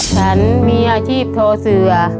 ฉันมีอาชีพโทเสือ